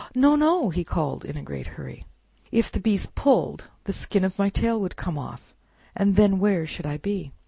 "No! no!" he called, in a great hurry. "If the beast pulled, the skin of my tail would come off, and then where should I be?